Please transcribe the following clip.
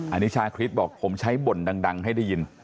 อันนี้ชาคริสบอกผมใช้บ่นดังให้ได้ยิน